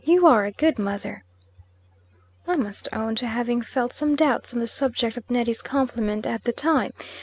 You are a good mother!" I must own to having felt some doubts on the subject of Neddy's compliment at the time.